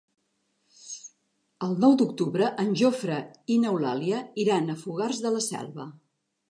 El nou d'octubre en Jofre i n'Eulàlia iran a Fogars de la Selva.